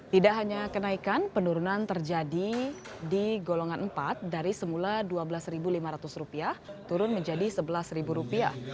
tidak hanya kenaikan penurunan terjadi di golongan empat dari semula dua belas lima ratus rupiah turun menjadi sebelas rupiah